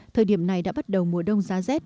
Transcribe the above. thời điểm này đã bắt đầu mùa đông giá rét